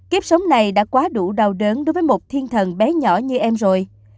kiếp sống này đã quá đủ đau đớn đối với một thiên thần bé nhỏ như em rồi